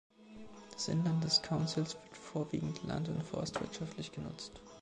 Das Inland des Councils wird vorwiegend land- und forstwirtschaftlich genutzt.